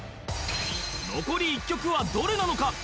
残り１曲はどれなのか？